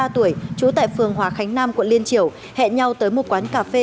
ba mươi tuổi trú tại phường hòa khánh nam quận liên triều hẹn nhau tới một quán cà phê